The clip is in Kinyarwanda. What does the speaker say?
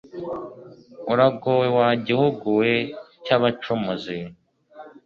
uragowe! wa gihugu we cy'abacumuzi